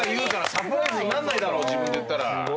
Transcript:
サプライズになんないだろ自分で言ったら。